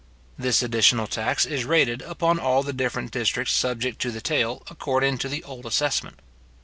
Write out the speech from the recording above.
This additional tax is rated upon all the different districts subject to the taille according to the old assessment.